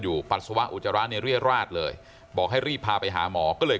ปัสสาวะอุจจาระในเรียราชเลยบอกให้รีบพาไปหาหมอก็เลย